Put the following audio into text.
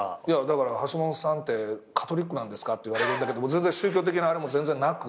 橋下さんってカトリックなんですか？って言われるんだけど宗教的なあれも全然なく。